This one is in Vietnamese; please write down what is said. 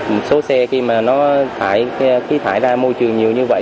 một số xe khi mà nó thải ra môi trường nhiều như vậy